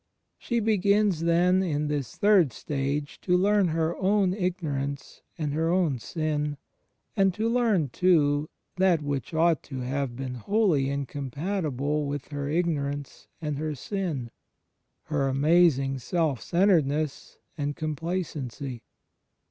She begins then in this third stage to learn her own ignorance and her own sin, and to learn, too, that which ought to have been wholly incompatible with her igno rance and her sin — her amazing self centredness and complacency.